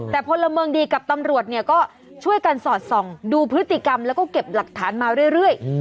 แต่พลเมืองดีกับตำรวจเนี่ยก็ช่วยกันสอดส่องดูพฤติกรรมแล้วก็เก็บหลักฐานมาเรื่อย